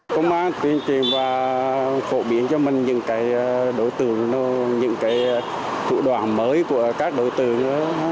công an tuyên truyền và phổ biến cho mình những thủ đoạn mới của các đối tượng